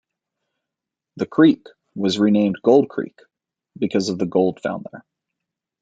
The creek was renamed "Gold Creek" because of the gold found there.